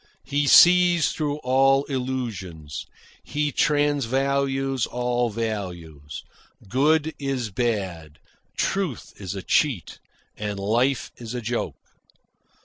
He sees through all illusions. He transvalues all values. Good is bad, truth is a cheat, and life is a joke.